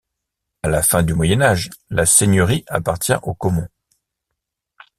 À la fin du Moyen Âge, la seigneurie appartient aux Caumont.